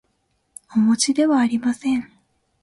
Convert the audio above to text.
おもちではありません